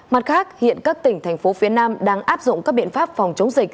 mặt khác hiện các tỉnh thành phố phía nam đang áp dụng các biện pháp phòng chống dịch